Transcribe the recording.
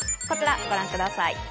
こちらご覧ください。